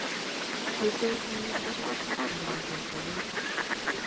Miten karun kiptulit ab kandoikab Bomet